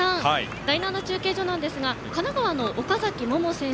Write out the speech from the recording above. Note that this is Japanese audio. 第７中継所ですが神奈川の岡崎萌々選手